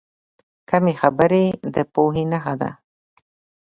کمې خبرې، د پوهې نښه ده.